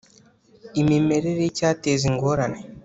imimerere y icyateza ingorane